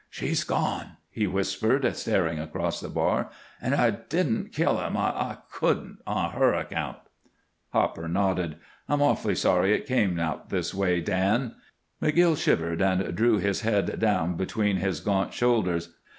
"She's gone!" he whispered, staring across the bar, "and I didn't kill him. I couldn't on her account." Hopper nodded. "I'm awful sorry it came out this way, Dan." McGill shivered and drew his head down between his gaunt shoulders.